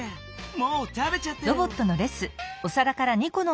もう食べちゃったよ。